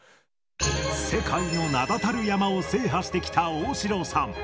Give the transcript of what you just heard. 世界の名だたる山を制覇してきた大城さん。